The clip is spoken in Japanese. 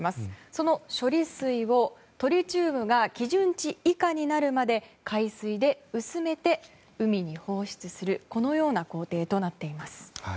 その処理水をトリチウムが基準値以下になるまで海水で薄めて海に放出するこのような工程となっています。